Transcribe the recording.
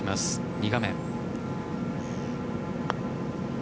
２画面。